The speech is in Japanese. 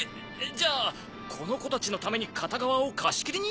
じゃあこの子たちのために片側を貸し切りに？